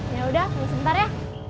yaudah tunggu sebentar ya